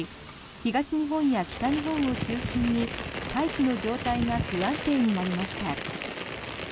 東日本や北日本を中心に大気の状態が不安定になりました。